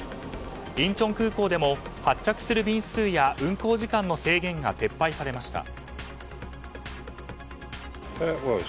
インチョン空港でも発着する便数や運航時間の制限が撤廃されました。